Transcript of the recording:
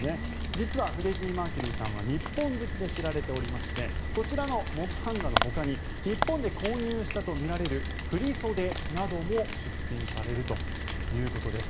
実はフレディ・マーキュリーさんは日本好きで知られておりましてこちらの木版画のほかに日本で購入したとみられる振り袖なども出品されるということです。